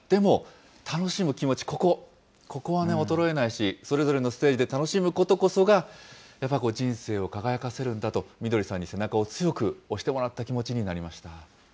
でも楽しむ気持ち、ここ、ここはね、衰えないし、それぞれのステージ楽しむことこそが、やっぱり人生を輝かせるみどりさんに背中を強く押してもらった気持ちになりました。